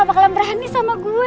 apa kalian berani sama gue